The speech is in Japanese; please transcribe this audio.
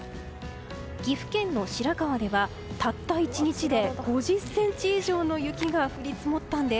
岐阜県の白川ではたった１日で５０ｃｍ以上の雪が降り積もったんです。